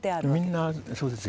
みんなそうですよ。